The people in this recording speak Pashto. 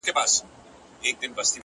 هوښیار فکر د راتلونکي لپاره چمتو وي.